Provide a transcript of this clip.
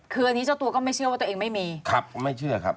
คืออันนี้เจ้าตัวก็ไม่เชื่อว่าตัวเองไม่มีครับไม่เชื่อครับ